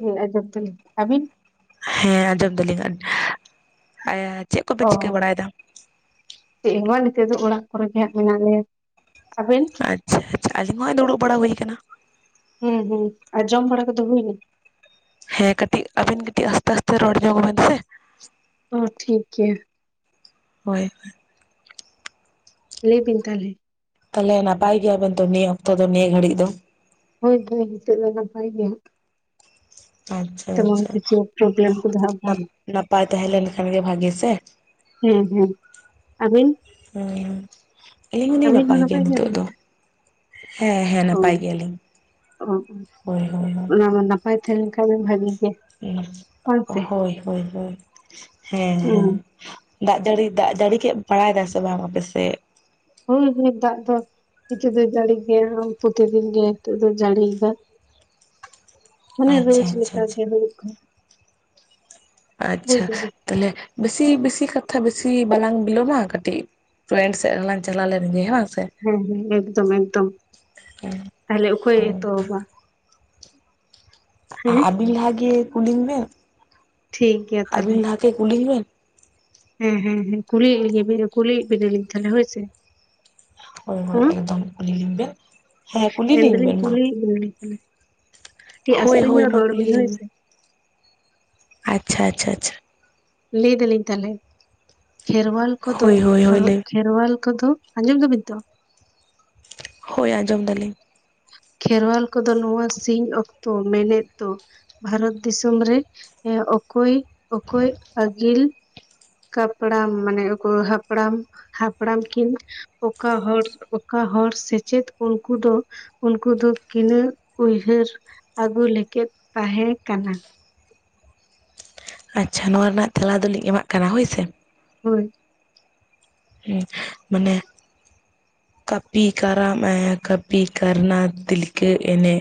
ᱦᱮᱸ [unintelligible] ᱟᱹᱵᱤᱱ? ᱦᱮᱸ ᱟᱸᱡᱚᱢ ᱫᱟᱞᱤᱧ᱾ ᱪᱮᱫ ᱚ ᱠᱚᱵᱮᱱ ᱪᱤᱠᱟᱹ ᱵᱟᱲᱟᱭ ᱮᱫᱟ? ᱪᱮᱫ ᱦᱚᱸ ᱵᱟᱝ, ᱱᱤᱛᱚᱜ ᱫᱚ ᱚᱲᱟᱜ ᱠᱚᱨᱮ ᱜᱮ ᱦᱟᱸᱜ ᱢᱮᱱᱟᱜ ᱞᱮᱭᱟ᱾ ᱟᱵᱮᱱ ᱟᱪᱪᱷᱟ ᱟᱪᱪᱷᱟ ᱟᱹᱞᱤᱧ ᱦᱚᱸᱧ ᱫᱩᱲᱩᱵ ᱵᱟᱲᱟ ᱦᱩᱭ ᱟᱠᱟᱱᱟ᱾ ᱦᱩᱸ ᱦᱩᱸ ᱟᱨ ᱡᱚᱢ ᱯᱷᱲᱟᱟ ᱠᱚᱫᱚ ᱦᱩᱭᱱᱟ? ᱦᱮᱸ ᱠᱟᱹᱴᱤᱡ ᱟᱹᱵᱤᱱ ᱠᱟᱹᱴᱤᱡ ᱟᱥᱛᱮ ᱟᱥᱛᱮ ᱨᱚᱲ ᱧᱚᱜ ᱟᱵᱤᱱ ᱥᱮ᱾ ᱚ ᱴᱷᱤᱠ ᱜᱮᱭᱟ᱾ ᱦᱳᱭ ᱦᱳᱭ᱾ ᱞᱟᱹᱭ ᱵᱤᱱ ᱛᱟᱦᱚᱞᱮ? ᱛᱟᱦᱚᱞᱮ ᱱᱟᱯᱟᱭ ᱜᱮᱭᱟᱵᱮᱱ ᱛᱚ, ᱱᱤᱭᱟᱹ ᱚᱠᱛᱚ ᱫᱚ ᱱᱤᱭᱟᱹ ᱜᱷᱟᱹᱲᱤᱡ ᱫᱚ ᱦᱳᱭ ᱛᱚ ᱱᱤᱛᱟᱹᱜ ᱫᱚ ᱱᱟᱯᱟᱭ ᱜᱮᱭᱟ᱾ ᱟᱪᱪᱷᱟ ᱟᱪᱪᱷᱟ, ᱠᱤᱪᱷᱩ ᱯᱨᱚᱵᱞᱮᱢ ᱠᱚᱫᱚ ᱦᱟᱸᱜ ᱵᱟᱝ ᱱᱟᱯᱟᱭ ᱛᱟᱦᱮᱸ ᱞᱮᱱᱠᱷᱟᱱ ᱜᱮ ᱵᱷᱟᱹᱜᱤ ᱥᱮ? ᱦᱮᱸ ᱦᱮᱸ, ᱟᱵᱤᱱ? ᱦᱩᱸ᱾ ᱟᱹᱞᱤᱧ ᱦᱚᱞᱤᱧ ᱟᱹᱵᱤᱱ ᱦᱚᱸ ᱱᱟᱯᱟᱭ ᱜᱮᱭᱟ ᱱᱤᱛᱚᱜ ᱵᱤᱱ? ᱫᱚ ᱦᱮᱸ ᱦᱮᱸ ᱚ ᱱᱟᱯᱟᱭ ᱜᱮᱭᱟᱞᱤᱧ ᱚ, ᱦᱳᱭ ᱦᱳᱭ ᱚᱱᱟ ᱱᱟᱯᱟᱭ ᱛᱟᱦᱮᱱ ᱠᱷᱟᱱ ᱵᱷᱟᱹᱜᱤ᱾ ᱦᱳᱭ ᱦᱳᱭ ᱦᱮᱸ ᱦᱩᱸ ᱦᱮᱸ᱾ ᱫᱟᱜ ᱡᱟᱹᱲᱤ ᱫᱟᱜ ᱡᱟᱹᱲᱤ ᱠᱮᱫ ᱵᱟᱲᱟᱭ ᱮᱫᱟ ᱥᱮ ᱵᱟᱝ ᱟᱯᱮᱥᱮᱫ? ᱦᱩᱸ ᱦᱩᱸ, ᱫᱟᱜ ᱫᱚ ᱱᱤᱛᱚᱜ ᱫᱚ ᱡᱟᱹᱲᱤ ᱜᱮᱭᱟ, ᱯᱨᱚᱛ ᱫᱤᱱ ᱜᱮ ᱱᱤᱛᱚᱜ ᱫᱚᱭ ᱡᱟᱹᱲᱤᱭᱟ᱾ ᱢᱟᱱᱮ ᱟᱪᱪᱷᱟ ᱨᱳᱡ ᱟᱪᱪᱷᱟ ᱞᱮᱠᱟ ᱟᱪᱪᱷᱟ ᱜᱮ ᱦᱩᱭᱩᱜ ᱠᱟᱱᱟ᱾ ᱵᱩᱡ ᱟᱪᱪᱷᱟ, ᱫᱟᱵᱤᱱ ᱛᱟᱦᱞᱮ ᱵᱮᱥᱤ ᱵᱮᱥᱤ ᱠᱟᱛᱷᱟ ᱵᱮᱥᱤ ᱵᱟᱞᱟᱝ ᱵᱤᱞᱚᱢᱟ ᱠᱟᱹᱴᱤᱡ ᱯᱷᱮᱱ ᱥᱮᱞᱟᱝ ᱪᱟᱞᱟ ᱞᱮᱱ ᱜᱮ ᱦᱟᱸᱜ᱾ ᱦᱮᱸ ᱦᱮᱸ, ᱮᱠᱫᱚᱢ ᱮᱠᱫᱚᱢ ᱛᱟᱦᱚᱞᱮ ᱚᱠᱚᱭ ᱮᱛᱚᱦᱚᱵᱟ? ᱦᱮᱸ ᱟᱹᱵᱤᱱ ᱞᱟᱦᱟ ᱜᱮ ᱠᱩᱞᱤᱧ ᱵᱮᱱ? ᱴᱷᱤᱠ ᱜᱮᱭᱟ ᱛᱟᱦᱚᱞᱮ ᱟᱹᱵᱤᱱ ᱞᱟᱦᱟ ᱜᱮ ᱠᱩᱞᱤᱧ ᱵᱮᱱ? ᱦᱮᱸ ᱦᱮᱸ ᱦᱮᱸ ᱠᱩᱞᱤ ᱠᱩᱞᱤ ᱵᱮᱱᱟ ᱞᱤᱧ ᱛᱟᱞᱮ ᱦᱳᱭ ᱥᱮ? ᱦᱳᱭ ᱦᱳᱭ ᱦᱮᱸ? ᱮᱠᱫᱚᱢ ᱠᱩᱞᱤ ᱞᱤᱧ ᱵᱮᱱ ᱦᱮᱸ ᱠᱩᱞᱤ ᱢᱮᱱ ᱮᱫᱟ ᱞᱤᱧ ᱵᱮᱱ ᱢᱟ ᱠᱩᱞᱤ ᱮᱫ ᱵᱤᱱᱟ? ᱠᱟᱹᱴᱤᱡ ᱦᱳᱭ ᱟᱥᱛᱮ ᱦᱳᱭ ᱧᱚᱜ ᱢᱟ ᱨᱚᱲ ᱠᱩᱞᱤ ᱵᱮᱱ ᱦᱳᱭ ᱞᱤᱧ ᱢᱮ ᱥᱮ᱾ ᱟᱪᱪᱷᱟ, ᱟᱪᱪᱷᱟ, ᱟᱪᱪᱷᱟ᱾ ᱞᱟᱹᱭ ᱮᱫᱟ ᱞᱤᱧ ᱛᱟᱦᱚᱞᱮ ᱠᱷᱮᱨᱣᱟᱞ ᱠᱚᱫᱚ ᱦᱳᱭ ᱦᱳᱭ ᱦᱳᱭ ᱠᱷᱚᱨᱚᱜ ᱞᱟᱹᱭ ᱠᱷᱮᱨᱣᱟᱞ ᱠᱚᱫᱚ ᱟᱸᱡᱚᱢ ᱮᱫᱟ ᱵᱤᱱ ᱛᱚ? ᱦᱳᱭ, ᱟᱸᱡᱚᱢ ᱮᱫᱟᱞᱤᱧ᱾ ᱠᱷᱮᱨᱣᱟᱞ ᱠᱚᱫᱚ ᱱᱚᱣᱟ ᱥᱤᱧ ᱚᱠᱛᱚ ᱢᱮᱱᱮᱫ ᱫᱚ ᱵᱷᱟᱨᱚᱛ ᱫᱤᱥᱚᱢ ᱨᱮ ᱚᱠᱚᱭ ᱚᱠᱚᱭ ᱟᱹᱜᱤᱞ ᱠᱟᱯᱲᱟᱢ ᱢᱟᱱᱮᱠᱚ ᱦᱟᱯᱲᱟᱢ ᱦᱟᱯᱲᱟᱢ ᱠᱤᱱ ᱚᱠᱟ ᱦᱚᱲ ᱚᱠᱟ ᱦᱚᱲ ᱥᱮᱪᱮᱫ ᱩᱱᱠᱩ ᱫᱚ ᱩᱱᱠᱩ ᱫᱚ ᱠᱤᱱᱟᱹᱜ ᱩᱭᱦᱟᱹᱨ ᱟᱹᱜᱩ ᱞᱮᱠᱮ ᱛᱟᱦᱮᱸ ᱠᱟᱱᱟ? ᱟᱪᱪᱷᱟ, ᱱᱚᱣᱟ ᱨᱮᱱᱟᱜ ᱛᱮᱞᱟ ᱫᱚᱞᱤᱧ ᱮᱢᱟᱜ ᱠᱟᱱᱟ ᱦᱳᱭ ᱥᱮ ᱦᱳᱭ᱾ ᱢᱟᱱᱮ ᱠᱟᱹᱯᱤ, ᱠᱟᱨᱟᱢ, ᱠᱟᱹᱯᱤ ᱠᱟᱨᱱᱟ, ᱛᱤᱞᱠᱟ ᱮᱱᱮ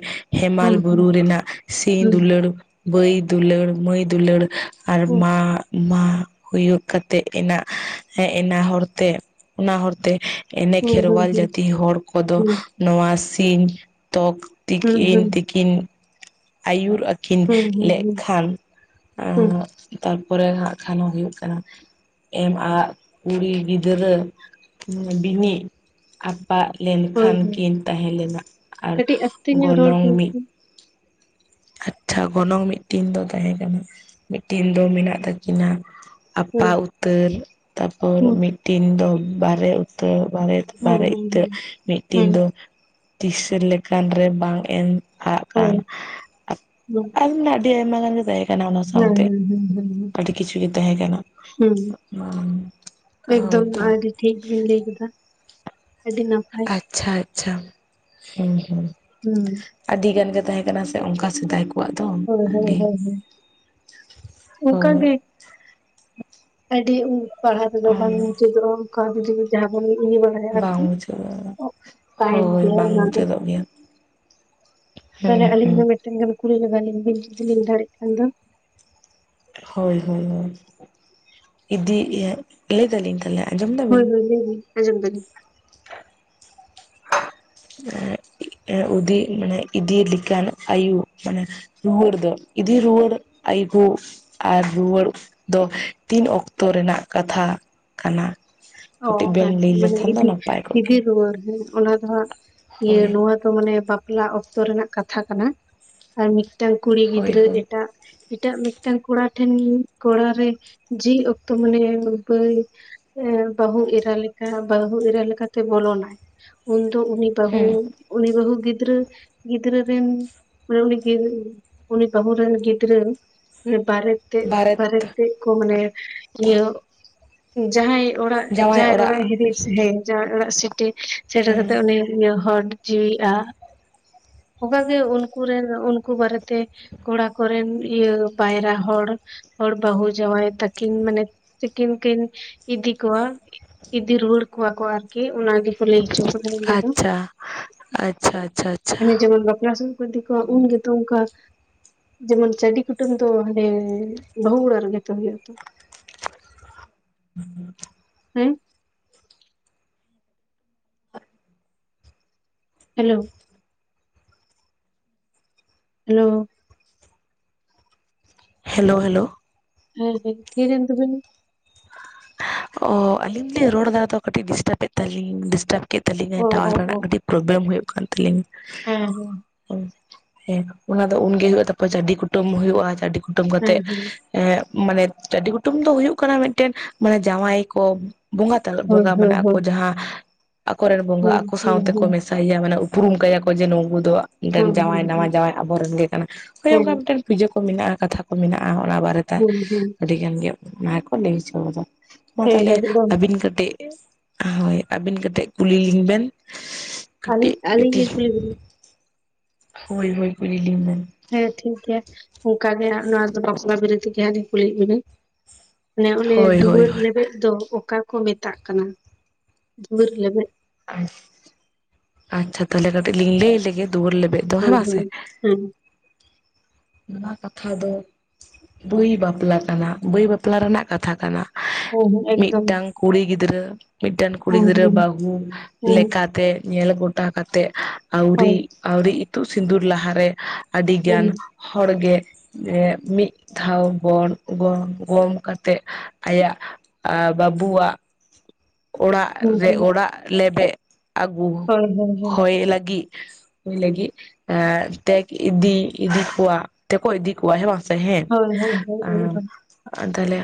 ᱦᱩᱸ ᱦᱮᱢᱟᱞ ᱦᱩᱸ ᱵᱩᱨᱩ ᱨᱮᱱᱟᱜ ᱥᱤᱧ ᱦᱩᱸ ᱫᱩᱞᱟᱹᱲ, ᱵᱟᱹᱭ ᱫᱩᱞᱟᱹᱲ, ᱢᱟᱹᱭ ᱫᱩᱞᱟᱹᱲ, ᱟᱨ ᱢᱟ ᱢᱟ ᱦᱩᱭᱩᱜ ᱠᱟᱛᱮᱫ ᱮᱱᱟ, ᱦᱮᱸ ᱮᱱᱟ ᱦᱚᱨᱛᱮ ᱚᱱᱟ ᱦᱚᱨ ᱛᱮ ᱦᱩᱸ ᱦᱩᱸ ᱠᱷᱮᱨᱣᱟᱞ ᱦᱩᱸ ᱡᱟᱹᱛᱤ ᱦᱚᱲ ᱠᱚᱫᱚ ᱦᱩᱸ ᱱᱚᱣᱟ ᱥᱤᱧ ᱛᱚᱠ ᱦᱩᱸ ᱛᱤᱠᱤᱱ ᱦᱩᱸ ᱛᱤᱠᱤᱱ ᱟᱹᱭᱩᱨᱼᱼ ᱠᱤᱱ ᱦᱩᱸ ᱦᱩᱸ ᱦᱩᱸ ᱞᱮ ᱦᱩᱸ ᱠᱷᱟᱱ ᱦᱩᱸ ᱟᱸᱻ ᱛᱟᱨᱯᱚᱨᱮ ᱦᱟᱸᱜ ᱠᱷᱟᱱ ᱦᱚᱸ ᱦᱩᱭᱩᱜ ᱠᱟᱱᱟ? ᱮᱢ ᱟ ᱠᱩᱲᱤ ᱜᱤᱫᱽᱨᱟᱹ ᱵᱤᱱᱤᱜᱼᱼ ᱟᱯᱟᱜ ᱞᱮᱱ ᱦᱳᱭ ᱠᱷᱟᱱ ᱦᱳᱭ ᱠᱤᱱ ᱛᱟᱦᱮᱸ ᱞᱮᱱᱟ ᱟᱨ ᱠᱟᱹᱴᱤᱡ ᱟᱥᱛᱮ ᱧᱚᱜ ᱨᱚᱲ ᱜᱚᱱᱚᱝ ᱵᱤᱱ ᱢᱤᱫᱼᱼ ᱥᱮ ᱟᱪᱪᱷᱟ ᱜᱚᱱᱚᱝ ᱢᱤᱫᱴᱤᱱ ᱫᱚ ᱛᱟᱦᱮᱸ ᱠᱟᱱᱟ ᱢᱤᱫᱴᱤᱱ ᱫᱚ ᱢᱮᱱᱟᱜ ᱛᱟᱹᱠᱤᱱᱟ, ᱟᱯᱟ ᱦᱩᱸ ᱩᱛᱟᱹᱨ ᱛᱟᱯᱚᱨ ᱦᱩᱸ ᱢᱤᱫᱴᱤᱱ ᱫᱚ ᱵᱟᱨᱮ ᱩᱛᱟᱹᱨ ᱵᱟᱨᱮᱼᱼ ᱦᱩᱸ ᱵᱟᱨᱮ ᱦᱩᱸ ᱤᱛᱟᱹᱛ ᱦᱩᱸ ᱢᱤᱫᱴᱤᱱ ᱦᱩᱸ ᱫᱚ ᱛᱤᱥᱟᱹ ᱞᱮᱠᱟᱱ ᱨᱮ ᱵᱟᱝ ᱮᱢᱼᱼ ᱦᱳᱮᱸ ᱦᱩᱸ ᱟᱨ ᱟᱹᱰᱤ ᱟᱭᱢᱟ ᱜᱟᱱ ᱜᱮ ᱛᱟᱦᱮᱸ ᱠᱟᱱᱟ ᱚᱱᱟ ᱦᱮᱸ ᱥᱟᱶᱛᱮ ᱦᱮᱸ ᱦᱮᱸ ᱦᱮᱸ ᱟᱹᱰᱤ ᱠᱤᱪᱷᱩ ᱜᱮ ᱛᱟᱦᱮᱸ ᱠᱟᱱᱟ᱾ ᱦᱩᱸ ᱮᱠᱫᱚᱢ ᱦᱛ [unintelligible] ᱟᱹᱰᱤ ᱴᱷᱤᱠ ᱵᱤᱱ ᱞᱟᱹᱭ ᱠᱮᱫᱟ ᱟᱹᱰᱤ ᱱᱟᱯᱟᱭ᱾ ᱟᱪᱪᱷᱟ ᱟᱪᱪᱷᱟ ᱦᱩᱸ ᱦᱩᱸ᱾ ᱦᱩᱸ ᱟᱹᱰᱤ ᱜᱟᱱ ᱜᱮ ᱛᱟᱦᱮᱸ ᱠᱟᱱᱟ ᱥᱮ ᱚᱱᱠᱟ ᱥᱮᱫᱟᱭ ᱠᱚᱼᱼ ᱩᱱᱠᱩᱣᱟᱜ ᱫᱚ ᱦᱳᱭ ᱦᱳᱭ ᱟᱹᱰᱤ ᱦᱳᱭ ᱦᱳᱭ ᱚᱱᱠᱟ ᱦᱚᱭ ᱜᱮ ᱟᱹᱰᱤ ᱩᱸ ᱯᱟᱲᱦᱟᱣ ᱛᱮ ᱫᱚ ᱵᱟᱝ ᱢᱩᱪᱟᱹᱫᱚᱜᱼᱟ ᱚᱱᱠᱟ ᱡᱟᱦᱟᱸ ᱵᱚᱱ ᱤᱫᱤ ᱵᱟᱲᱟᱭᱼᱼ ᱵᱟᱝ ᱢᱩᱪᱟᱹᱫ ᱦᱳᱭ ᱜᱮᱭᱟ ᱵᱟᱝ ᱚᱱᱟ ᱫᱚ ᱢᱩᱪᱟᱹᱫᱚᱜ ᱜᱮᱭᱟ᱾ ᱦᱮᱸ ᱦᱩᱮᱸ ᱢᱤᱫ ᱠᱲᱤ ᱞᱞᱤᱧ ᱵ ᱡᱩᱫᱤ ᱞᱤᱧ ᱫᱟᱲᱮᱭᱟᱜ ᱠᱷᱟᱱ ᱫᱚ? ᱦᱳᱭ ᱦᱳᱭ ᱦᱳᱭ ᱤᱫᱤᱟ ᱞᱟᱹᱭ ᱫᱟᱞᱤᱧ ᱛᱟᱦᱚᱞᱮ? ᱟᱸᱡᱚᱢ ᱦᱳᱭ ᱫᱟᱵᱤᱱ ᱦᱳᱭ ᱞᱟᱹᱭ ᱢᱮ ᱟᱡᱚᱢ ᱫᱟᱞᱤᱧ? [inaudible] ᱩᱫᱤ ᱢᱟᱱᱮ ᱤᱫ ᱞᱮᱠᱷᱟᱱ ᱟᱭᱳ ᱢᱟᱱᱮᱼᱼ ᱨᱩᱣᱟᱹᱲ ᱫᱚ ᱤᱫᱤ ᱨᱩᱣᱟᱹᱲ ᱟᱭᱩ ᱠᱳ ᱟᱨ ᱨᱩᱣᱟᱹᱲ ᱫᱚ ᱛᱤᱱ ᱚᱠᱛᱚ ᱨᱮᱱᱟᱜ ᱠᱟᱛᱷᱟ ᱠᱟᱱᱟ? ᱚ ᱠᱟᱹᱴᱤᱡ ᱵᱮᱱ ᱦᱮᱸ ᱞᱟᱹᱭ ᱢᱟᱱᱮ ᱞᱮᱠᱷᱟᱱ ᱫᱚ ᱤᱫᱤ ᱱᱟᱯᱟᱭ ᱠᱚᱜ ᱤᱫᱤ ᱠᱮᱭᱟ ᱨᱩᱟᱹᱣ ᱦᱮᱸ ᱚᱱᱟ ᱫᱚ ᱦᱟᱸᱜ ᱤᱭᱟᱹ ᱦᱳᱭ ᱱᱚᱣᱟ ᱫᱚ ᱢᱟᱱᱮ ᱵᱟᱯᱞᱟ ᱚᱠᱛᱚ ᱨᱮᱱᱟᱜ ᱠᱟᱛᱷᱟ ᱠᱟᱱᱟ᱾ ᱟᱨ ᱢᱤᱫᱴᱮᱝ ᱠᱩᱲᱤ ᱦᱳᱭ ᱜᱤᱫᱽᱨᱟᱹ ᱦᱳᱭ ᱮᱴᱟᱜᱼᱼ ᱮᱴᱟᱜ ᱢᱤᱫᱴᱟᱝ ᱠᱚᱲᱟ ᱴᱷᱮᱱ ᱠᱚᱲᱟ ᱨᱮ ᱡᱷᱤᱡ ᱚᱠᱛᱚ ᱢᱟᱱᱮ ᱵᱟᱹᱭᱼᱼ ᱟᱹ ᱵᱟᱹᱦᱩ ᱤᱨᱟ ᱞᱮᱠᱟ ᱵᱟᱦᱩ ᱤᱨᱟᱞᱮᱠᱟ ᱛᱮ ᱵᱚᱞᱳ ᱱᱟᱭ ᱩᱱ ᱫᱚ ᱩᱱᱤ ᱵᱟᱹᱦᱩ ᱦᱮᱸ ᱩᱱᱤ ᱵᱟᱹᱦᱩ ᱜᱤᱫᱽᱨᱟᱹᱼᱼ ᱜᱤᱫᱽᱨᱟᱹ ᱨᱮᱱ ᱢᱟᱱᱮ ᱩᱱᱤ ᱵᱟᱹᱦᱩ ᱨᱮᱱ ᱜᱤᱫᱽᱨᱟᱹ ᱵᱟᱨᱮ ᱛᱮᱫ ᱵᱷᱟᱨᱚᱛ ᱵᱟᱨᱮ ᱛᱮᱫ ᱠᱚ ᱢᱟᱱᱮ ᱤᱭᱟᱹ ᱡᱟᱦᱟᱸᱭ ᱚᱲᱟᱜᱼᱼ ᱡᱟᱦᱟᱸᱭ ᱚᱲᱟᱜ ᱦᱤᱨᱤᱡ ᱥᱮ ᱦᱮ ᱡᱟᱦᱟᱸᱭ ᱚᱲᱟᱜ ᱥᱤᱴᱤ ᱥᱮᱴᱮᱨ ᱦᱩᱸ ᱠᱟᱛᱮᱜ ᱩᱱᱤ ᱤᱭᱟᱹ ᱦᱚᱰ ᱡᱤᱣᱤᱼᱟ ᱚᱱᱠᱟᱜᱮ ᱩᱱᱠᱩ ᱨᱮᱱ ᱩᱱᱠᱩ ᱵᱟᱨᱮ ᱛᱮᱼᱼ ᱠᱚᱲᱟ ᱠᱚᱨᱮᱱ ᱤᱭᱟᱹ ᱯᱟᱭᱨᱟ ᱦᱚᱲ ᱦᱚᱲ ᱵᱟᱹᱦᱩ ᱡᱟᱶᱟᱭ ᱛᱟᱹᱠᱤᱱ ᱢᱟᱱᱮ ᱛᱤᱠᱤᱱ ᱠᱤᱱ ᱤᱫᱤ ᱠᱚᱣᱟ᱾ ᱤᱫᱤ ᱨᱩᱣᱟᱹᱲ ᱠᱩᱣᱟ ᱠᱚ ᱟᱨᱠᱤ ᱚᱱᱟ ᱜᱮ ᱠᱚ ᱞᱟᱹᱭ ᱦᱚᱪᱚ ᱠᱟᱫᱟ ᱚᱸᱰᱮ ᱫᱚᱼᱼ ᱟᱪᱪᱷᱟ ᱟᱪᱪᱷᱟ ᱟᱪᱪᱷᱟ ᱟᱪᱪᱷᱟ ᱡᱮᱢᱚᱱ ᱵᱟᱯᱞᱟ ᱥᱩᱨ ᱠᱚ ᱛᱤ ᱠᱚ ᱟ ᱩᱱᱼᱼ ᱛᱚ ᱚᱱᱠᱟ ᱡᱮᱢᱚᱱ ᱪᱟᱹᱰᱤ ᱠᱩᱴᱟᱹᱢ ᱫᱚ ᱦᱟᱱᱮ ᱵᱟᱹᱦᱩ ᱚᱲᱟᱜ ᱨᱮ ᱜᱮ ᱦᱩᱭᱩᱜ ᱛᱚᱼᱼ ᱦᱮᱸ ᱦᱮᱸ ᱦᱮᱞᱳ ᱦᱮᱞᱳ? Hello hello? ᱦᱮᱸ ᱦᱮᱸ ᱛᱷᱤᱨᱮᱱ ᱫᱩ ᱵᱮᱱ ᱚᱻ ᱟᱹᱞᱤᱧ ᱨᱚᱲ ᱫᱟ ᱛᱚ ᱠᱟᱹᱴᱤᱡ ᱰᱤᱥᱴᱟᱵᱮᱫ ᱛᱟᱹᱞᱤᱧ ᱰᱤᱥᱴᱟᱵ ᱮᱫ ᱛᱟᱹᱞᱤᱧᱟ ᱚ ᱴᱟᱣᱟᱨ ᱚ ᱚ ᱨᱮᱱᱟᱜ ᱠᱟᱹᱴᱤᱡ ᱯᱨᱚᱵᱞᱮᱢ ᱦᱩᱭᱩᱜ ᱠᱟᱱ ᱛᱟᱹᱞᱤᱧᱼᱼ ᱦᱮᱸ ᱦᱮᱸ ᱦᱮᱸ ᱚᱱᱟ ᱫᱚ ᱩᱱᱜᱮ ᱦᱩᱭᱩᱜᱼᱟ ᱛᱟᱨᱯᱚᱨ ᱡᱟᱹᱰᱤ ᱠᱩᱴᱟᱹᱢ ᱦᱩᱭᱩᱜᱼᱟ ᱡᱟᱹᱰᱤ ᱠᱩᱴᱟᱹᱢ ᱦᱮᱸ ᱠᱟᱛᱮᱜᱼᱼ ᱦᱮᱸ ᱮᱸ ᱢᱟᱱᱮ ᱡᱟᱹᱰᱤ ᱠᱩᱴᱟᱹᱢ ᱫᱚ ᱦᱩᱭᱩᱜ ᱠᱟᱱᱟ ᱢᱮᱫᱴᱮᱱ ᱢᱟᱱᱮ ᱡᱟᱸᱣᱟᱭ ᱠᱚ ᱵᱚᱸᱜᱟ, ᱦᱳᱭ ᱵᱚᱸᱜᱟ ᱢᱟᱱᱮ ᱟᱠᱚ ᱦᱳᱭ ᱡᱟᱦᱟᱸ ᱟᱠᱚᱨᱮᱱ ᱵᱚᱸᱜᱟ ᱦᱳᱭ ᱟᱠᱚ ᱦᱮᱸ ᱥᱟᱶ ᱦᱮᱸ ᱛᱮᱠᱚ ᱦᱮᱸ ᱢᱮᱥ ᱥᱟᱭᱟ ᱢᱟᱱᱮ ᱩᱯᱨᱩᱢ ᱠᱟᱭᱟ ᱠᱚ ᱡᱮ ᱱᱩᱝᱠᱩ ᱫᱚ ᱤᱧᱨᱮᱱ ᱡᱟᱸᱣᱟᱭ ᱦᱮᱸ ᱱᱟᱣᱟ ᱡᱟᱸᱣᱟᱭ ᱟᱵᱚᱨᱮᱱ ᱜᱮ ᱠᱟᱱᱟ ᱦᱚᱭ ᱦᱮᱸ ᱚᱱᱠᱟ ᱢᱤᱫᱴᱮᱱ, ᱯᱩᱡᱟᱹ ᱠᱚ ᱢᱮᱱᱟᱜᱼᱟ ᱠᱟᱛᱷᱟ ᱠᱚ ᱢᱮᱱᱟᱜᱼᱟ, ᱚᱱᱟ ᱵᱟᱨᱮᱛᱮ ᱦᱮᱸ ᱟᱹᱰᱤ ᱜᱟᱱ ᱜᱮ ᱚᱱᱟ ᱜᱮᱠᱚ ᱞᱟᱹᱭ ᱦᱚᱪᱚ ᱠᱟᱫᱟ᱾ ᱢᱟ ᱦᱮᱸ ᱛᱟᱦᱚᱞᱮ ᱦᱮᱸ ᱮᱠᱫᱚᱢ ᱟᱹᱵᱤᱱ ᱠᱟᱹᱴᱤᱡ ᱦᱳᱭ ᱟᱹᱵᱤᱱ ᱠᱟᱹᱴᱤᱡ ᱠᱩᱞᱤ ᱞᱤᱧ ᱵᱮᱱ, ᱟᱹᱞᱤᱧ ᱟᱹᱞᱤᱧ ᱞᱤᱧ ᱠᱟᱹᱴᱤᱡ ᱠᱩᱞᱤ [unintelligible] ᱵᱤᱱᱟ ᱦᱳᱭ ᱦᱳᱭ ᱠᱩᱞᱤ ᱞᱤᱧ ᱵᱮᱱ, ᱦᱮᱸ ᱴᱷᱤᱠ ᱜᱮᱭᱟ ᱚᱱᱠᱟ ᱜᱮ ᱦᱟᱸᱜ ᱱᱚᱣᱟ [unintelligible] ᱵᱟᱯᱞᱟ ᱵᱟᱨᱮ ᱛᱮᱜᱮ ᱦᱟᱸᱜ ᱠᱩᱞᱤᱭᱮᱫ ᱵᱤᱱᱟ, ᱢᱟᱱᱮ ᱚᱱᱮ ᱦᱳᱭ ᱦᱳᱭ ᱫᱩᱣᱟᱹᱨ ᱦᱳᱭ ᱞᱮᱵᱮᱫ ᱫᱚ ᱚᱠᱟ ᱠᱚ ᱢᱮᱛᱟᱜ ᱠᱟᱱᱟ ᱫᱩᱣᱟᱹᱨ ᱞᱮᱵᱮᱫ, ᱟᱪᱪᱷᱟ ᱛᱟᱦᱚᱞᱮ ᱠᱟᱹᱴᱤᱡ ᱞᱤᱧ ᱞᱟᱹᱭ ᱞᱮᱜᱮ ᱫᱤᱣᱟᱹᱨ ᱞᱮᱵᱮᱫ, ᱫᱚ ᱦᱮᱸ ᱦᱳᱭ ᱵᱟᱝ ᱥᱮ ᱦᱳᱭ ᱦᱮᱸ᱾ ᱱᱚᱣᱟ ᱠᱟᱛᱷᱟ ᱫᱚ ᱵᱟᱹᱭ ᱵᱟᱯᱞᱟ ᱠᱟᱱᱟ ᱵᱟᱹᱭ ᱵᱟᱯᱞᱟ ᱨᱮᱱᱟᱜ ᱠᱟᱛᱷᱟ ᱠᱟᱱᱟ᱾ ᱦᱮᱸ ᱦᱮᱸ ᱮᱠᱫᱚᱢ ᱢᱤᱫᱴᱟᱝ ᱠᱩᱲᱤ ᱜᱤᱫᱽᱨᱟᱹ, ᱢᱤᱫᱴᱮᱱ ᱠᱩᱲᱤ ᱦᱮᱸ ᱜᱤᱫᱽᱨᱟᱹ ᱦᱮᱸ ᱵᱟᱹᱦᱩ ᱦᱮᱸ ᱞᱮᱠᱟᱛᱮ ᱧᱮᱞ ᱜᱚᱴᱟ ᱠᱟᱛᱮᱜ ᱟᱣᱨᱤ, ᱦᱳᱭ ᱟᱣᱨᱤ ᱤᱛᱩᱜ ᱥᱤᱸᱫᱩᱨ ᱞᱟᱦᱟᱨᱮ ᱟᱹᱰᱤ ᱜᱟᱱ ᱦᱮᱸ ᱦᱚᱲ ᱜᱮ, ᱢᱤᱫ ᱫᱷᱟᱣ ᱵᱚᱱ ᱜᱚᱝ, ᱜᱚᱝ ᱠᱟᱛᱮᱜ ᱟᱭᱟᱜ ᱟ ᱵᱟᱵᱩᱣᱟᱜ, ᱚᱲᱟᱜ ᱦᱮᱸ ᱨᱮ ᱦᱮᱸ ᱚᱲᱟᱜ ᱞᱮᱵᱮᱫ ᱟᱹᱜᱩ ᱦᱳᱭ ᱦᱳᱭ ᱦᱚᱭ ᱞᱟᱹᱜᱤᱫ, ᱞᱟᱹᱜᱤᱫ [unintelligible] ᱤᱫᱤ ᱤᱫᱤ ᱠᱚᱣᱟ, ᱛᱮᱠᱚ ᱤᱫᱤ ᱠᱚᱣᱟ ᱦᱮᱸ ᱵᱟᱝ ᱥᱮ ᱦᱮᱸ ᱦᱳᱭ ᱦᱳᱭ ᱦᱳᱭ ᱦᱳᱭ ᱮᱠᱫᱚᱢ ᱦᱮᱸ ᱦᱮᱸ ᱦᱮᱸ ᱟᱨ ᱛᱟᱦᱚᱞᱮ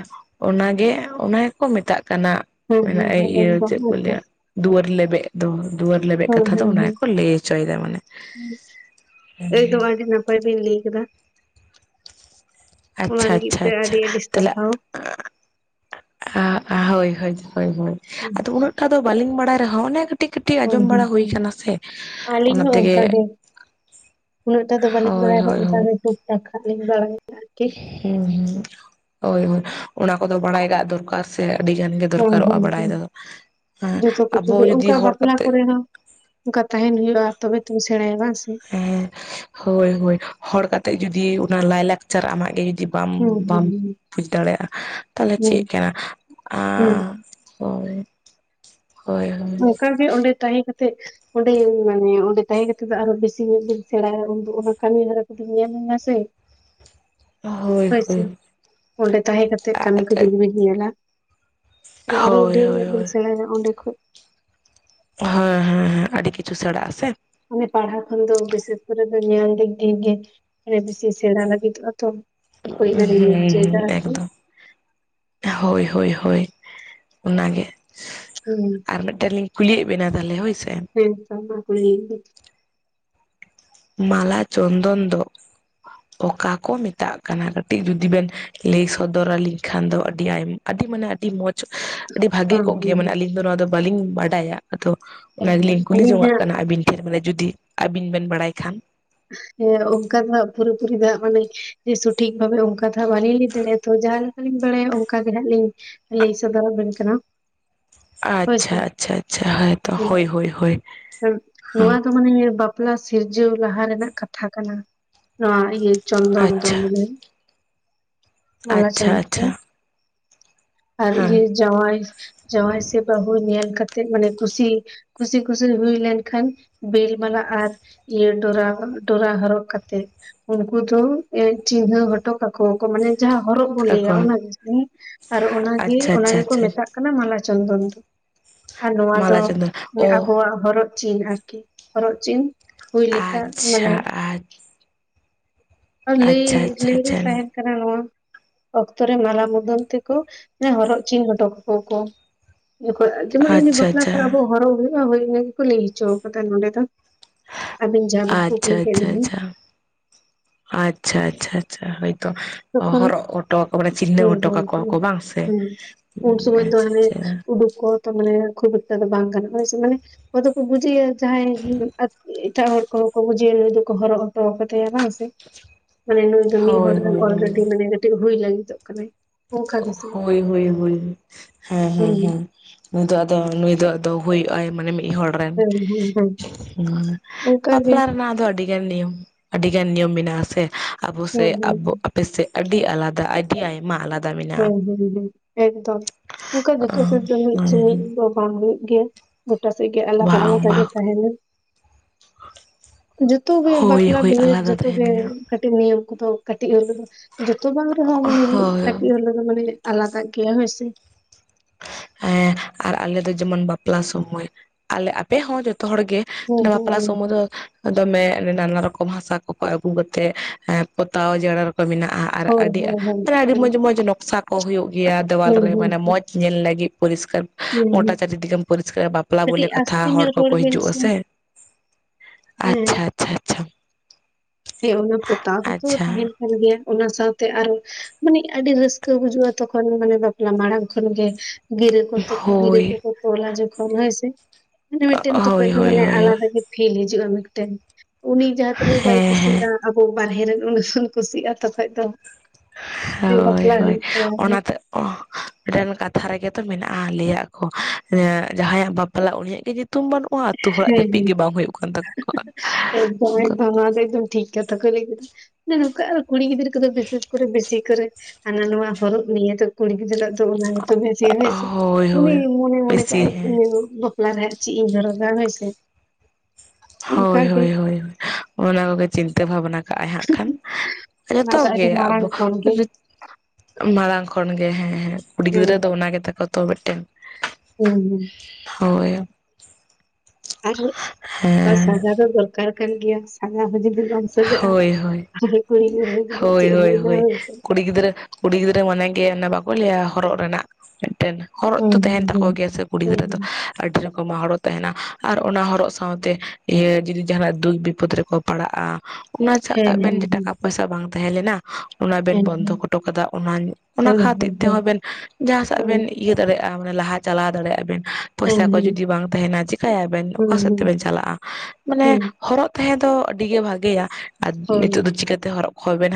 ᱚᱱᱟᱜᱮ ᱚᱱᱟ ᱜᱮᱠᱚ ᱢᱮᱛᱟᱜ ᱠᱟᱱᱟ ᱢᱟᱱᱮ ᱤᱭᱟᱹ ᱮᱠᱫᱚᱢ ᱪᱮᱫ ᱠᱚ ᱮᱠᱫᱚᱢ ᱞᱟᱹᱭᱟ ᱫᱩᱣᱟᱹᱨ ᱞᱮᱵᱮᱫ, ᱫᱩᱣᱟᱹᱨ ᱞᱮᱵᱮᱫ ᱦᱳᱭ ᱠᱟᱛᱷᱟ ᱫᱚ ᱦᱳᱭ ᱚᱱᱟ ᱦᱳᱭ ᱜᱮᱠᱚ ᱞᱟᱹᱭ ᱦᱚᱪᱚᱭᱮᱫᱟ ᱢᱟᱱᱮ, ᱦᱳᱭ ᱵᱤᱱ ᱞᱟᱹᱭ ᱠᱮᱫᱟ ᱚᱱᱟ ᱞᱟᱹᱜᱤᱫ ᱛᱮ ᱟᱹᱰᱤ ᱟᱹᱰᱤ ᱥᱟᱨᱦᱟᱣ᱾ ᱟ ᱟ ᱦᱳᱭ ᱦᱳᱭ ᱦᱳᱭ ᱦᱮᱸ ᱟᱫ ᱩᱱᱜ ᱴᱟ ᱩᱱᱟᱹᱜ ᱫᱚ ᱵᱟᱹᱞᱤᱧ ᱵᱟᱲᱟᱭ ᱨᱮᱦᱚᱸ ᱚᱱᱮ ᱠᱟᱹᱴᱤᱡ ᱠᱟᱹᱴᱤᱡ ᱟᱸᱢᱚᱢ ᱦᱮᱸ ᱵᱟᱲᱟ ᱦᱩᱭ ᱦᱮᱸ ᱠᱟᱱᱟ ᱥᱮ ᱟᱹᱞᱤᱧ ᱚᱱᱟ ᱦᱚᱸ ᱛᱮᱜᱮ, ᱚᱱᱠᱟ ᱜᱮ ᱩᱱᱟᱹᱜ ᱴᱟ ᱫᱚ ᱵᱟᱹᱞᱤᱧ ᱦᱳᱭ ᱵᱟᱲᱟᱭᱟ ᱦᱟᱸᱜ ᱦᱳᱭ ᱚᱱᱠᱟ ᱦᱳᱭ ᱜᱮ ᱴᱩᱠ ᱴᱟᱠ ᱦᱟᱸᱜ ᱞᱤᱧ ᱵᱟᱲᱟᱭᱟ᱾ ᱟᱨᱠᱤ ᱦᱩᱸ ᱦᱩᱸ ᱦᱳᱭ ᱦᱳᱭ ᱚᱱᱟ ᱠᱚᱫᱚ ᱵᱟᱲᱟᱭ ᱠᱟᱜ ᱫᱚᱨᱠᱟᱨ ᱥᱮ ᱟᱹᱰᱤ ᱜᱟᱱ ᱜᱮ ᱦᱩᱸ ᱫᱚᱨᱠᱟᱨᱚᱜᱼᱟ ᱦᱩᱸ ᱵᱟᱲᱟᱭ ᱦᱩᱸ ᱫᱚ ᱦᱮᱸ ᱡᱚᱛᱚ ᱠᱤᱪᱷᱩ ᱟᱵᱚ ᱜᱮ ᱡᱩᱫᱤ ᱚᱱᱠᱟ ᱦᱚᱲ ᱵᱟᱯᱞᱟ ᱠᱟᱛᱮ ᱠᱚᱨᱮ ᱦᱚᱸ ᱚᱱᱠᱟ ᱛᱟᱦᱮᱱ ᱦᱩᱭᱩᱜᱼᱟ᱾ ᱛᱚᱵᱮ ᱛᱚᱢ ᱥᱮᱸᱬᱟᱭᱟ ᱵᱟᱝ ᱥᱮ? ᱦᱮᱸ ᱦᱳᱭ ᱦᱳᱭ ᱦᱚᱲ ᱠᱟᱛᱮ ᱡᱩᱫᱤ ᱚᱱᱟ ᱞᱟᱭᱞᱟᱠᱪᱟᱨ ᱟᱢᱟᱜ ᱜᱮ ᱡᱩᱫᱤ ᱵᱟᱢ ᱦᱩᱸ ᱵᱟᱢ ᱦᱩᱸ ᱦᱩᱸ ᱵᱩᱡᱽ ᱫᱟᱲᱮᱭᱟᱜᱼᱟ ᱛᱟᱦᱚᱞᱮ ᱦᱩᱸ ᱪᱮᱫ ᱠᱟᱱᱟ ᱦᱩᱸ [unintelligible] ᱦᱳᱭ ᱦᱳᱭ ᱦᱳᱭ, ᱦᱮ ᱚᱸᱰᱮ ᱛᱟᱦᱮᱸ ᱠᱟᱛᱮ ᱚᱸᱰᱮ ᱢᱟᱱᱮ ᱚᱸᱰᱮ ᱛᱟᱦᱮᱸ ᱠᱟᱛᱮᱫ ᱫᱚ ᱟᱨᱚ ᱵᱮᱥᱤ ᱧᱚᱜ ᱵᱮᱤᱱ ᱥᱮᱸᱬᱟᱭᱟ ᱚᱱᱟ ᱠᱟᱹᱢᱤ ᱦᱚᱨᱟ ᱠᱚᱵᱤᱱ ᱧᱮᱞ ᱟᱥᱮ ᱦᱳᱭ ᱥᱮ ᱚᱸᱰᱮ ᱛᱟᱦᱮᱸ ᱠᱟᱛᱮ ᱠᱟᱹᱢᱤ ᱠᱚ ᱡᱩᱫᱤ ᱵᱤᱱ ᱧᱮᱞᱟ᱾ ᱟᱨᱚ ᱦᱳᱭ ᱰᱷᱮᱨ ᱦᱳᱭ ᱧᱚᱜ ᱵᱤᱱ ᱦᱳᱭ ᱥᱮᱸᱬᱟᱭᱟ ᱚᱸᱰᱮ ᱠᱷᱚᱡ ᱦᱮᱸ ᱦᱮᱸ ᱦᱮᱸ ᱟᱹᱰᱤ ᱠᱤᱪᱷᱩ ᱥᱮᱬᱟᱜᱼᱟ ᱥᱮ ᱢᱟᱱᱮ ᱯᱟᱲᱦᱟᱣ ᱠᱷᱚᱱ ᱫᱚ ᱵᱤᱥᱮᱥ ᱠᱚᱨᱮ ᱫᱚ ᱧᱮᱞ ᱫᱤᱠ ᱫᱤᱭᱮ ᱜᱮ, ᱵᱮᱥᱤ ᱥᱮᱸᱬᱟ ᱞᱟᱹᱜᱤᱫᱚᱜ-ᱟ ᱛᱚ ᱦᱚᱭ ᱦᱩᱸ ᱚᱱᱟ ᱞᱤᱧ ᱢᱮᱱ ᱦᱩᱸ ᱦᱚᱪᱚᱭᱫᱟ ᱛᱮ ᱮᱠᱫᱚᱢ ᱦᱳᱭ ᱦᱳᱭ ᱦᱳᱭ ᱚᱱᱟᱜᱮ ᱦᱩᱸ ᱟᱨ ᱢᱤᱫᱴᱮᱱ ᱞᱤᱧ ᱠᱩᱞᱤᱭᱮᱫ ᱵᱤᱱᱟ ᱛᱟᱦᱚᱞᱮ ᱦᱳᱭ ᱥᱮ? ᱦᱮᱸ ᱛᱟᱦᱚᱞᱮ ᱢᱟ ᱠᱩᱞᱤ ᱞᱤᱧ ᱵᱮᱱ᱾ ᱢᱟᱞᱟ ᱪᱚᱱᱫᱚᱱ ᱫᱚ ᱚᱠᱟ ᱠᱚ ᱢᱮᱛᱟᱜ ᱠᱟᱱᱟ ᱠᱟᱹᱴᱤᱡ ᱡᱩᱫᱤ ᱵᱮᱱ ᱞᱟᱹᱭ ᱥᱚᱫᱚᱨ ᱟᱹᱞᱤᱧ ᱠᱷᱟᱱ ᱫᱚ ᱟᱹᱰᱤ ᱟᱭ ᱟᱹᱰᱤ ᱢᱟᱱᱮ ᱟᱹᱰᱤ ᱢᱚᱡᱽ ᱟᱹᱰᱤ ᱵᱷᱟᱜᱮ ᱦᱩᱸ ᱠᱚᱜ ᱜᱮ ᱦᱩᱸ ᱢᱟᱱᱮ ᱟᱹᱞᱤᱧ ᱫᱚ ᱱᱚᱣᱟ ᱫᱚ ᱵᱟᱹᱞᱤᱧ ᱵᱟᱰᱟᱭᱟ ᱟᱫᱚ ᱚ ᱚᱱᱟ ᱜᱮᱞᱤᱧ ᱠᱩᱞᱤ ᱟᱹᱞᱤᱧ ᱡᱚᱝ ᱟᱜ ᱦᱟᱸᱜ ᱠᱟᱱᱟ ᱟᱵᱤᱱ ᱴᱷᱮᱱ ᱢᱟᱱᱮ ᱡᱩᱫᱤ ᱟᱵᱤᱱ ᱵᱮᱱ ᱵᱟᱲᱟᱭ ᱠᱷᱟᱱ ᱦᱮᱸ ᱚᱱᱠᱟ ᱫᱚ ᱦᱟᱜ ᱯᱩᱨᱟᱹᱯᱩᱨᱩᱨᱤ ᱫᱚᱦᱟᱜ ᱢᱟᱱᱮ ᱥᱚᱴᱷᱤᱠ ᱵᱷᱟᱵᱮ ᱚᱱᱠᱟ ᱠᱟᱛᱷᱟ ᱵᱟᱹᱞᱤᱧ ᱞᱟᱹᱭ ᱫᱟᱲᱮᱭᱟᱜᱼᱟ ᱛᱚ, ᱡᱟᱦᱟᱸ ᱞᱮᱠᱟᱞᱤᱧ ᱵᱟᱲᱟᱭᱟ ᱚᱝᱠᱟ ᱜᱮ ᱦᱟᱸᱜ ᱞᱤᱧ, ᱞᱟᱹᱭ ᱥᱚᱫᱚᱨᱟᱵᱤᱱ ᱠᱟᱱᱟ᱾ ᱦᱳᱭᱥᱮ ᱟᱪᱪᱷᱟ ᱟᱪᱪᱷᱟ ᱟᱪᱪᱷᱟ ᱦᱚᱭᱛᱚ, ᱦᱚᱭ ᱦᱚᱭ ᱦᱚᱭ, ᱦᱩᱸ᱾ ᱱᱚᱣᱟ ᱢᱟᱱᱮ ᱵᱟᱯᱞᱟ ᱥᱤᱨᱡᱟᱹᱣ ᱞᱟᱦᱟ ᱨᱮᱱᱟᱜ ᱠᱟᱛᱷᱟ ᱠᱟᱱᱟ, ᱱᱚᱣᱟ [unintelligible] ᱪᱚᱱᱫᱚᱱ ᱫᱚ, ᱟᱪᱪᱷᱟ [unintelligible] ᱢᱟᱞᱟ ᱟᱪᱪᱷᱟ ᱪᱟᱸᱫᱽ ᱠᱚ, ᱟᱪᱪᱷᱟ ᱟᱨ ᱦᱮᱸ ᱤᱭᱟᱹ ᱡᱟᱶᱟᱭ, ᱡᱟᱶᱟᱭ ᱥᱮ ᱵᱟᱹᱦᱩ ᱧᱮᱞ ᱠᱟᱛᱮᱜ ᱢᱟᱱᱮ ᱠᱩᱥᱤ ᱠᱩᱥᱤ ᱠᱩᱥᱤ ᱦᱩᱭ ᱞᱮᱱᱠᱷᱟᱱ ᱵᱮᱞ ᱢᱟᱞᱟ ᱟᱨ ᱤᱭᱟᱹ ᱰᱚᱨᱟ ᱠᱚ, ᱰᱚᱨᱟ ᱦᱚᱨᱚᱜ ᱠᱟᱛᱮᱜ ᱩᱱᱠᱩ ᱫᱚ ᱮᱸ ᱪᱤᱱᱦᱟᱹ ᱦᱚᱴᱚ ᱠᱟᱠᱚᱣᱟᱠᱚ ᱢᱟᱱᱮ ᱡᱟᱦᱟᱸ ᱦᱚᱨᱚᱜ ᱵᱚ ᱞᱟᱹᱭᱟ ᱥᱟᱠᱚᱢ ᱚᱱᱟ ᱜᱮ ᱥᱮ, ᱟᱨ ᱚᱱᱟ ᱜᱮ ᱟᱪᱪᱷᱟ ᱚᱱᱟ ᱟᱪᱪᱷᱟ ᱜᱮᱠᱚ ᱟᱪᱪᱷᱟ ᱢᱮᱛᱟᱜ ᱠᱟᱱᱟ ᱢᱟᱞᱟ ᱪᱚᱱᱫᱚᱱ ᱫᱚ, ᱟᱨ ᱱᱚᱣᱟ ᱢᱟᱞᱟ ᱫᱚ ᱪᱚᱸᱫᱚᱱ ᱚ ᱟᱵᱚᱣᱟᱜ ᱦᱚᱨᱚᱜ ᱪᱤᱱ ᱟᱨᱠᱤ, ᱦᱚᱨᱚᱜ ᱪᱤᱱ ᱦᱩᱭ ᱞᱮᱠᱟ ᱢᱟᱱᱮ ᱟᱪᱪᱷᱟ ᱟᱪ ᱟᱨ ᱞᱟᱹᱭ ᱞᱟᱹᱭ ᱨᱮ ᱟᱪᱪᱷᱟ ᱟᱪᱪᱷᱟ ᱛᱟᱦᱮᱸᱱ ᱠᱟᱱᱟ ᱱᱚᱣᱟ ᱚᱠᱛᱚ ᱨᱮ ᱢᱟᱞᱟ ᱢᱩᱫᱟᱹᱢ ᱛᱮᱠᱚ, ᱢᱟᱱᱮ ᱦᱚᱨᱚᱜ ᱪᱤᱱ ᱦᱚᱴᱚ ᱠᱟᱠᱚᱣᱟᱠᱚ᱾ ᱡᱚᱠᱦᱚᱱ ᱡᱮᱢᱚᱱ ᱮᱢᱱᱤ ᱵᱟᱯᱞᱟ ᱟᱪᱪᱷᱟ ᱥᱟᱞᱟᱜ ᱟᱵᱚ ᱦᱚᱨᱚᱜ ᱦᱩᱭᱩᱜᱼᱟ, ᱦᱚᱭ ᱤᱱᱟ ᱜᱮᱠᱚ ᱞᱟᱹᱭ ᱦᱚᱪᱚ ᱠᱟᱫᱟ ᱱᱚᱸᱰᱮ ᱫᱚ᱾ ᱟᱹᱵᱤᱱ ᱡᱟᱦᱟᱸ ᱵᱤᱱ ᱠᱩᱠᱞᱤ ᱟᱪᱪᱷᱟ ᱠᱮᱫ ᱟᱪᱪᱷᱟ ᱞᱤᱧᱟᱹ, ᱟᱪᱪᱷᱟ ᱟᱪᱪᱷᱟ ᱟᱪᱪᱷᱟ ᱟᱪᱪᱷᱟ, ᱦᱚᱭᱛᱚ ᱛᱚᱠᱷᱚᱱ ᱦᱚᱨᱚᱜ ᱦᱚᱴᱚ ᱟᱠᱚ ᱢᱟᱱᱮ ᱪᱤᱱᱦᱟᱹᱣ ᱦᱳᱭ ᱦᱚᱴᱚ ᱦᱳᱭ ᱠᱟᱠᱚᱣᱟ ᱠᱚ ᱦᱳᱭ ᱵᱟᱝ ᱥᱮ, ᱦᱩᱸ ᱩᱱ ᱥᱚᱢᱚᱭ ᱫᱚ ᱟᱪᱪᱷᱟ ᱦᱟᱱᱮ ᱟᱪᱪᱷᱟ᱾ ᱩᱰᱩᱠ ᱠᱚ ᱛᱚ ᱢᱟᱱᱮ ᱠᱷᱩᱵᱷ ᱮᱠᱴᱟ ᱫᱚ ᱵᱟᱝ ᱜᱟᱱᱚᱜᱼᱟ ᱦᱚᱭ ᱥᱮ, ᱢᱟᱱᱮ ᱦᱚᱲ ᱫᱚ ᱠᱚ ᱵᱩᱡᱷᱟᱹᱭᱟ ᱡᱟᱦᱟᱸᱭ [inaudible] ᱮᱴᱟᱜ ᱦᱚᱲ ᱠᱚᱦᱚᱸ ᱠᱚ ᱵᱩᱡᱮᱭᱟ ᱱᱩᱭ ᱫᱚᱠᱚ ᱦᱚᱨᱚᱜ ᱦᱚᱴᱚ ᱟᱠᱟᱫᱮᱭᱟ ᱵᱟᱝ ᱥᱮ, ᱢᱟᱱᱮ ᱱᱩᱭ ᱫᱚ ᱢᱤᱫ ᱦᱚᱲ ᱦᱳᱭ ᱨᱮᱱ ᱦᱳᱭ ᱚᱞᱨᱮᱰᱤ ᱢᱟᱱᱮ [unintelligible] ᱦᱩᱭ ᱞᱟᱹᱜᱤᱫᱚᱜ ᱠᱟᱱᱟᱭ᱾ ᱚᱱᱠᱟ ᱜᱮᱥᱮ ᱦᱚᱭ ᱦᱚᱭ ᱦᱚᱭ, ᱦᱮᱸ ᱦᱩᱸ ᱦᱮᱸ ᱦᱮᱸ᱾ ᱱᱩᱭ ᱫᱚ ᱟᱫᱚ ᱱᱩᱭ ᱫᱚ ᱟᱫᱚ ᱦᱩᱭᱩᱜᱼᱟᱭ ᱢᱟᱱᱮ ᱢᱤᱫ ᱦᱚᱲ, ᱠᱚᱨᱮ ᱦᱩᱸᱻ ᱦᱩᱸ ᱦᱩᱸ ᱦᱩᱸ ᱚᱱᱠᱟ ᱜᱮ ᱵᱟᱯᱞᱟ ᱨᱮᱱᱟᱜ ᱫᱚ ᱟᱹᱰᱤ ᱜᱟᱱ ᱱᱤᱭᱚᱢ, ᱟᱹᱰᱤᱜᱟᱱ ᱱᱤᱭᱚᱢ ᱢᱮᱱᱟᱜ ᱥᱮ ᱟᱵᱚ ᱥᱮ ᱦᱩᱸ ᱦᱩᱸ ᱟᱵᱚ ᱯᱮ ᱥᱮᱫ ᱟᱹᱰᱤ ᱟᱞᱟᱫᱟ ᱟᱹᱰᱤ ᱟᱭᱢᱟ ᱟᱞᱟ [unintelligible] ᱮᱠᱫᱚᱢ, ᱚᱝᱠᱟ ᱡᱚᱛᱚ ᱥᱮᱫ ᱫᱚ ᱢᱤᱫ ᱴᱷᱮᱡ ᱢᱤᱫ ᱫᱚ ᱵᱟᱝ ᱦᱩᱭᱩᱜ ᱜᱮᱭᱟ᱾ ᱜᱚᱴᱟ ᱥᱮᱫ ᱜᱮ ᱟᱞᱟᱫᱟ ᱵᱟᱝ ᱟᱞᱟᱫᱟ ᱜᱮᱭ ᱵᱟᱝ ᱛᱟᱦᱮᱸᱱᱟ᱾ ᱡᱚᱛᱚ ᱜᱮ ᱦᱳᱭ ᱵᱟᱯᱞᱟ ᱦᱳᱭ ᱵᱤᱦᱟᱹ ᱟᱞᱟᱫᱟ ᱡᱚᱛᱚ ᱛᱟᱦᱮᱱ ᱜᱮ, ᱜᱮᱭᱟ ᱠᱟᱹᱴᱤᱡ ᱱᱤᱭᱚᱢ ᱠᱚᱫᱚ, ᱠᱟᱹᱴᱤᱡ ᱦᱚᱸ ᱫᱚ ᱡᱚᱛᱚ ᱵᱟᱝ ᱨᱮᱦᱚᱸ, ᱢᱟᱱᱮ ᱢᱤᱫ ᱦᱳᱭ ᱚᱱᱟᱫᱚ ᱢᱟᱱᱮ ᱟᱞᱟᱫᱟ ᱜᱮᱭᱟ, ᱦᱳᱭ ᱥᱮ᱾ ᱦᱮᱸ ᱟᱨ ᱟᱞᱮ ᱫᱚ ᱡᱮᱢᱚᱱ ᱵᱟᱯᱞᱟ ᱥᱚᱢᱚᱭ, ᱟᱞᱮ ᱟᱯᱮ ᱦᱚᱸ ᱡᱚᱛᱚ ᱦᱚᱲ ᱜᱮ, ᱱᱚᱣᱟ ᱵᱟᱯᱞᱟ ᱦᱮᱸ ᱥᱚᱢᱚᱭ ᱫᱚ ᱫᱚᱢᱮ ᱮᱱᱮ ᱱᱟᱱᱟ ᱨᱚᱠᱚᱢ ᱦᱟᱥᱟ ᱠᱚᱠᱚ ᱟᱹᱜᱩ ᱠᱟᱛᱮᱜ, ᱮᱸ ᱯᱚᱛᱟᱣ ᱡᱮᱨᱮᱲ ᱠᱚ ᱢᱮᱱᱟᱜᱼᱟ ᱦᱟᱜ᱾ ᱟᱨ ᱦᱳᱭ ᱟᱹᱰᱤ, ᱦᱳᱭ ᱦᱳᱭ ᱦᱮᱸ ᱟᱨ ᱟᱹᱰᱤ ᱢᱚᱡᱽ ᱢᱚᱸᱡᱽ ᱱᱚᱠᱥᱟ ᱠᱚ ᱦᱩᱭᱩᱜ ᱜᱮᱭᱟ ᱫᱮᱣᱟᱞ ᱦᱮᱸ ᱨᱮ ᱦᱮᱸ ᱢᱟᱱᱮ ᱢᱚᱸᱡᱽ ᱧᱮᱞ ᱞᱟᱹᱜᱤᱫ, ᱯᱚᱨᱤᱥᱠᱟᱨ ᱦᱮᱸ ᱦᱮᱸ ᱜᱚᱴᱟ ᱪᱟᱹᱨᱤ ᱫᱤᱠᱮᱢ ᱯᱚᱨᱤᱥᱠᱟᱨᱟ, ᱵᱟᱯᱞᱟ ᱵᱚᱞᱮ ᱠᱟᱹᱴᱤᱡ ᱠᱟᱛᱷᱟ, ᱟᱥᱛᱮ ᱦᱚᱲ ᱧᱚᱜ ᱨᱚᱲ ᱠᱚᱠᱚ ᱵᱮᱱ ᱦᱤᱡᱩᱜᱼᱟ ᱥᱮ᱾ ᱦᱮᱸ ᱟᱪᱪᱷᱟ, ᱟᱪᱪᱷᱟ, ᱟᱪᱪᱷᱟ᱾ ᱦᱮᱸ ᱚᱱᱟ ᱯᱚᱛᱟᱣ ᱫᱚᱛᱚ ᱟᱪᱪᱷᱟ ᱛᱟᱦᱮᱸᱱ ᱠᱟᱱ ᱜᱮᱭᱟ ᱚᱱᱟ ᱥᱟᱶᱛᱮ ᱟᱨᱚ ᱢᱟᱱᱮ ᱟᱹᱰᱤ ᱨᱟᱹᱥᱠᱟᱹ ᱵᱩᱡᱚᱜᱼᱟ, ᱛᱚᱠᱷᱚᱱ ᱢᱟᱱᱮ ᱵᱟᱯᱞᱟ ᱢᱟᱲᱟᱝ ᱠᱷᱚᱱ ᱜᱮ᱾ ᱜᱤᱨᱟᱹ ᱠᱚ ᱛᱚ ᱜᱤᱨᱟᱹ ᱦᱳᱭ ᱠᱚᱠᱚ ᱛᱚᱞᱟ ᱡᱚᱠᱷᱚᱱ ᱦᱚᱭ ᱥᱮ᱾ ᱢᱟᱱᱮ ᱢᱤᱫᱴᱮᱱ ᱦᱳᱭ ᱛᱚᱠᱷᱚᱡ ᱫᱚ ᱦᱳᱭ ᱢᱟᱱᱮ ᱦᱳᱭ ᱟᱞᱟᱫᱟ ᱜᱮ ᱯᱷᱤᱞ ᱦᱤᱡᱩᱜᱼᱟ ᱢᱤᱫᱴᱮᱱ, ᱩᱱᱤ ᱡᱟᱦᱟᱸ ᱛᱤᱱᱟᱹᱜ ᱵᱟᱭ ᱦᱮᱸ ᱦᱮᱸ ᱠᱩᱥᱤᱜᱼᱟ ᱟᱵᱚ ᱵᱟᱨᱦᱮ ᱨᱮᱱ ᱩᱱ [unintelligible] ᱠᱩᱥᱤᱜᱼᱟ ᱛᱚᱠᱷᱚᱡ ᱫᱚ᱾ ᱡᱮ ᱦᱚᱭ ᱵᱟᱯᱞᱟ ᱦᱚᱭ, ᱦᱩᱭᱩᱜ ᱛᱟᱭᱟ ᱦᱮᱸ ᱚᱱᱟᱛᱮ ᱚ ᱢᱤᱫᱴᱮᱱ ᱠᱟᱛᱷᱟ ᱨᱮᱜᱮ ᱛᱚ ᱢᱮᱱᱟᱜᱼᱟ, ᱟᱞᱮᱭᱟᱜ ᱠᱚ, ᱡᱮᱸ ᱡᱟᱦᱟᱸᱭᱟᱜ ᱵᱟᱯᱞᱟ ᱩᱱᱤᱭᱟᱜ ᱜᱮ ᱡᱩᱛ ᱛᱩᱢ ᱵᱟᱹᱱᱩᱜᱼᱟ ᱟᱹᱛᱩ ᱦᱚᱲᱟᱜ ᱦᱮᱸ ᱡᱟᱹᱯᱤᱫ ᱜᱮ ᱵᱟᱝ ᱦᱩᱭᱩᱜ ᱠᱟᱱ ᱛᱟᱠᱚᱣᱟ, [inaudible] ᱚᱱᱟ ᱫᱚ ᱮᱠᱫᱚᱢ ᱴᱷᱤᱠ᱾ ᱡᱚᱛᱚ ᱠᱚ ᱞᱟᱹᱭ ᱠᱮᱫᱟ᱾ ᱡᱟᱦᱟᱸ ᱞᱮᱠᱟ ᱟᱨ ᱠᱩᱲᱤ ᱜᱤᱫᱽᱨᱟᱹ ᱠᱚᱫᱚ ᱵᱤᱥᱮᱥ ᱠᱚᱨᱮ ᱵᱤᱥᱤ ᱠᱚᱨᱮ, ᱦᱟᱱᱟ ᱱᱚᱣᱟ ᱦᱚᱨᱚᱜ ᱱᱤᱭᱟᱹ ᱛᱚ ᱠᱩᱲᱤ ᱜᱤᱫᱽᱨᱟᱹ ᱟᱜ ᱛᱚ ᱚᱱᱟ ᱜᱮ ᱛᱚᱵᱮ ᱪᱮᱫ ᱮᱱᱮᱡ ᱥᱮ, ᱦᱳᱭ ᱩᱱᱤ ᱦᱳᱭ ᱢᱚᱱᱮ ᱢᱚᱱᱮ ᱛᱮ ᱵᱮᱥᱤ ᱟᱡ ᱦᱮᱸ [unintelligible] [unintelligible] ᱪᱮᱫ ᱤᱧ ᱦᱚᱨᱚᱜᱟ ᱦᱚᱭ ᱥᱮ, ᱦᱟᱭ ᱚᱱᱠᱟ ᱜᱮ ᱦᱚᱭ ᱦᱚᱭ ᱦᱚᱭ, ᱚᱱᱟ ᱠᱚᱜᱮ ᱪᱤᱱᱛᱟᱹ ᱵᱷᱟᱵᱱᱟ ᱠᱟᱜᱼ ᱟᱭ ᱦᱟᱸᱜ ᱠᱷᱟᱱ ᱚᱱᱟ ᱡᱚᱛᱚ ᱫᱚ ᱜᱮ ᱟᱹᱰᱤ ᱟᱵᱚ ᱢᱟᱲᱟᱝ [unintelligible] [unintelligible] ᱠᱷᱚᱱ ᱜᱮ ᱢᱟᱲᱟᱝ ᱠᱷᱚᱱ ᱜᱮᱮ ᱦᱮᱸ ᱦᱮᱸ ᱠᱩᱲᱤ ᱦᱩᱸ ᱜᱤᱫᱽᱨᱟᱹ ᱫᱚ ᱚᱱᱟ ᱜᱮᱛᱟᱠᱚ ᱛᱚ ᱢᱤᱫᱴᱟᱝ ᱦᱩᱸ ᱦᱩᱸ ᱦᱳᱭ ᱟᱨ ᱦᱚᱸ ᱦᱮᱸ ᱥᱟᱡᱟ ᱫᱚ ᱫᱚᱨᱠᱟᱨ ᱠᱟᱱ ᱜᱮᱭᱟ ᱥᱟᱡᱟ ᱦᱚᱸ ᱡᱤᱫᱤ ᱵᱟᱝ ᱥᱟᱡᱟ-ᱟ ᱦᱳᱭ ᱦᱳᱭ ᱠᱩᱲᱤ ᱜᱤᱫᱽᱨᱟ ᱡᱩᱫᱤ ᱪᱮᱫ ᱦᱳᱭ [unintelligible] ᱦᱳᱭ ᱦᱳᱭ [unintelligible] ᱠᱩᱲᱤ ᱜᱤᱫᱽᱨᱟ ᱠᱷᱟᱱ ᱠᱩᱲᱤ ᱜᱤᱫᱽᱨᱟᱹ ᱢᱚᱱᱮ ᱜᱮ ᱚᱱᱟ ᱵᱟᱠᱚ ᱞᱟᱹᱭᱟ ᱦᱚᱨᱚᱜ ᱨᱮᱱᱟᱜ ᱢᱮᱫᱴᱮᱱ ᱦᱚᱨᱚᱜ ᱫᱚ ᱦᱩᱸ ᱦᱩᱸ ᱛᱟᱦᱮᱱ ᱛᱟᱠᱚ ᱦᱩᱸ ᱜᱮᱭᱟ ᱥᱮ ᱠᱩᱲᱤ ᱜᱤᱫᱽᱨᱟᱹ ᱫᱚ ᱦᱩᱸ ᱟᱹᱰᱤ ᱨᱚᱠᱚᱢᱟ ᱦᱚᱨᱚᱜ ᱛᱟᱦᱮᱱᱟ ᱟᱨ ᱚᱱᱟ ᱦᱚᱨᱚᱜ ᱥᱟᱶᱛᱮ ᱤᱭᱟᱹ ᱡᱩᱫᱤ ᱡᱟᱦᱟᱱᱟᱜ ᱫᱩᱠ ᱵᱤᱯᱚᱫ ᱨᱮᱠᱚ ᱯᱟᱲᱟᱜᱼᱟ ᱟ ᱚᱱᱟ ᱪᱟᱜ ᱦᱮᱸ ᱠᱟᱜ ᱦᱮᱸ ᱵᱮᱱ ᱡᱮ ᱦᱮᱸ ᱴᱟᱠᱟ ᱯᱚᱭᱥᱟ ᱵᱟᱝ ᱛᱟᱦᱮᱸ ᱞᱮᱮᱱᱟ ᱾ ᱚᱱᱟ ᱵᱮᱱ ᱦᱮᱸ ᱦᱮᱸ ᱵᱚᱱᱫᱚᱷᱠ ᱦᱚᱴᱚ ᱠᱟᱫᱟ ᱚᱱᱟ ᱚᱱᱟ ᱦᱳᱭ ᱠᱷᱟᱹᱛᱤᱨ ᱦᱳᱭ ᱦᱳᱭ ᱛᱮᱦᱚᱸ ᱵᱮᱱ ᱡᱟᱦᱟᱸᱥᱟᱜ ᱦᱩᱸ ᱵᱮᱱ ᱤᱭᱟᱹ ᱫᱟᱲᱮᱭᱟᱜᱼᱟ᱾ ᱢᱟᱱᱮ ᱞᱟᱦᱟ ᱪᱟᱞᱟᱣ ᱫᱟᱲᱮᱭᱟᱜᱼᱟ ᱵᱤᱱ ᱦᱮᱸ ᱯᱚᱭᱥᱟ ᱠᱚ ᱦᱮᱸ ᱡᱩᱫᱤ ᱵᱟᱝ ᱛᱟᱦᱮᱱᱟ ᱪᱮᱠᱟᱭᱟᱵᱮᱱ ᱚᱠᱟ ᱦᱩᱸ ᱥᱮᱫ ᱦᱩᱸ ᱛᱮᱵᱮᱱ ᱪᱟᱞᱟᱜᱼᱟ ᱢᱟᱱᱮ ᱦᱩᱸ ᱦᱚᱨᱚᱜ ᱛᱟᱦᱮᱸ ᱫᱚ ᱟᱹᱰᱤ ᱜᱮ ᱵᱷᱟᱜᱮᱭᱟ ᱟᱨ ᱱᱤᱛᱚᱜ ᱫᱚ ᱪᱤᱠᱠᱟᱛᱮ ᱦᱚᱨᱚᱜ ᱠᱚᱦᱚᱸ ᱵᱤᱱ